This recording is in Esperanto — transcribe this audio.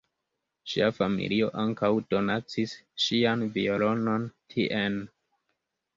Ŝia familio ankaŭ donacis ŝian violonon tien.